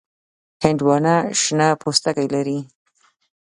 هندوانه شنه پوستکی لري.